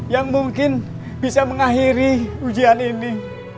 yang mungkin bisa mengakhiri ujian ini